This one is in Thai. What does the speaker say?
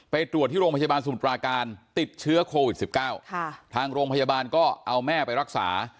ไปตรวจที่โรงพยาบาลสมุทรปราการติดเชื้อโควิด๑๙ทางโรงพยาบาลก็เอาแม่ไปรักษา